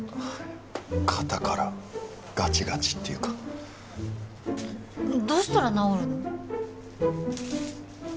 肩からガチガチっていうかどうしたら直るの？